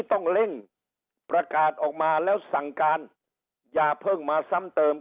ต้องเร่งประกาศออกมาแล้วสั่งการอย่าเพิ่งมาซ้ำเติม